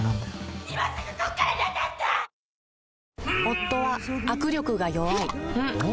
夫は握力が弱い